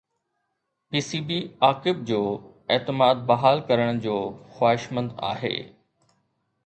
P C B عاقب جو اعتماد بحال ڪرڻ جو خواهشمند آهي